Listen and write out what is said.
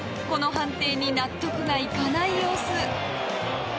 この判定に納得がいかない様子。